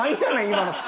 今の。